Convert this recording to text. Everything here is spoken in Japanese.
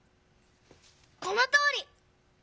このとおり！